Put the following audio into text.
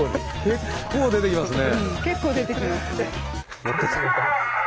結構出てきますね。